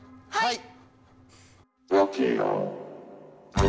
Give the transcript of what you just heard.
はい！